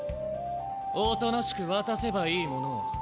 おとなしくわたせばいいものを。